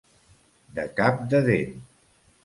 De cap de dent.